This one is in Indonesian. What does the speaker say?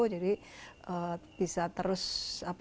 jadi semuanya bisa berlatih dengan jalur yang sama itu